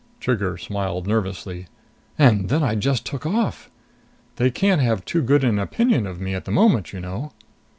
Trigger smiled nervously. "And then I just took off! They can't have too good an opinion of me at the moment, you know."